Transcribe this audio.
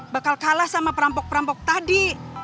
bakal kalah sama perampok perampok tadi